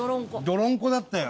どろんこだったよ。